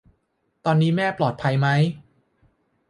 ตอนนี้แม่ปลอดภัยไหม ?